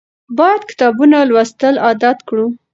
باید کتابونه لوستل عادت کړو.